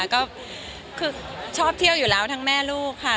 ก็คือชอบเที่ยวอยู่แล้วทั้งแม่ลูกค่ะ